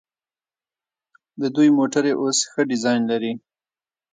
د دوی موټرې اوس ښه ډیزاین لري.